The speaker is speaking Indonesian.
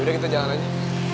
yaudah kita jalan aja